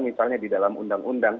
misalnya di dalam undang undang